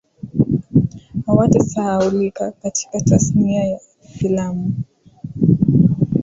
hawatasahaulika katika tasnia ya filamu